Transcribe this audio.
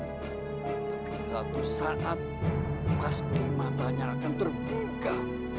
tapi suatu saat pasti matanya akan terbuka